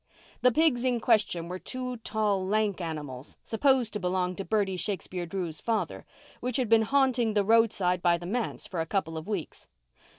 The pigs in question were two tall, lank animals, supposed to belong to Bertie Shakespeare Drew's father, which had been haunting the roadside by the manse for a couple of weeks.